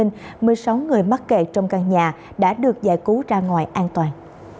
một mươi sáu người mắc kẹt trong căn nhà đã được giải cứu ra ngoài an toàn